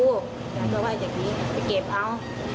พี่ยายก็ว่าอย่างนี้ไปเก็บเอา